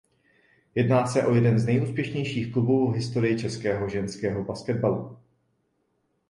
Jedná se o jeden z nejúspěšnějších klubů v historii českého ženského basketbalu.